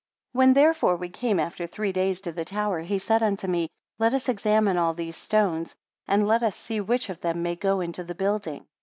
63 When therefore we came after three days to the tower, he said unto me; Let us examine all these stones, and let us see which of them may go into the building.